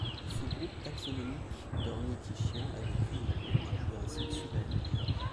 Ce groupe taxonomique d'ornithischiens a vécu au cours du Jurassique supérieur.